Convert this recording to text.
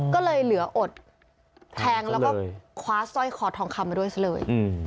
ก็เลยเหลืออดแทงแล้วก็คว้าสร้อยคอทองคำมาด้วยซะเลย